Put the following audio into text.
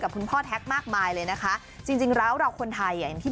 กับคุณพ่อแท็กมากมายเลยนะคะ